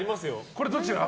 これどちら？